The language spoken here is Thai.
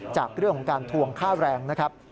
จากเรื่องของการทวงค่าแรงนะครับ